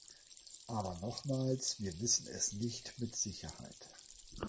Aber nochmals, wir wissen es nicht mit Sicherheit.